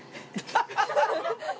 ハハハハ！